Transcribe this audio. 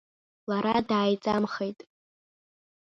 Лара дааиҵамхеит.